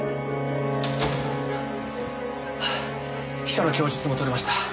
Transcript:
秘書の供述も取れました。